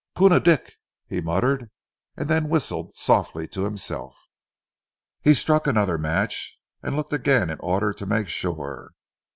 "Koona Dick!" he muttered, and then whistled softly to himself. He struck another match and looked again in order to make sure.